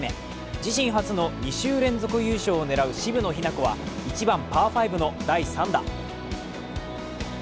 自身初の２週連続優勝を狙う渋野日向子は１番パー３の第３打。